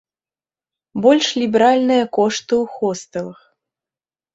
Больш ліберальныя кошты ў хостэлах.